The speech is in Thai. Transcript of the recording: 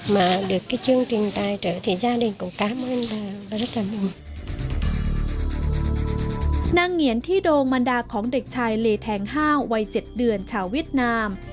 เหงียนที่โดงมันดาของเด็กชายเลแทงห้าววัย๗เดือนชาวเวียดนาม